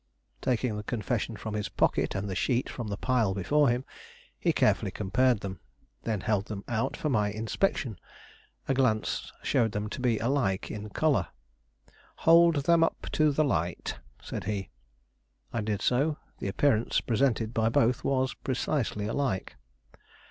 Taking the confession from his pocket and the sheet from the pile before him, he carefully compared them, then held them out for my inspection. A glance showed them to be alike in color. "Hold them up to the light," said he. I did so; the appearance presented by both was precisely alike.